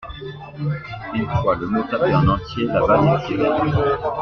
Une fois le mot tapé en entier la balle est tirée.